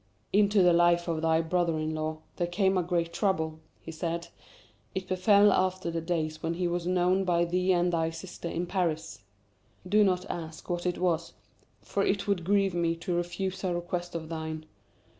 "Into the life of thy brother in law, there came a great trouble," he said. "It befell after the days when he was known by thee and thy sister in Paris. Do not ask what it was, for it would grieve me to refuse a request of thine.